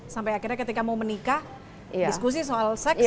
sampai akhirnya ketika mau menikah diskusi soal seks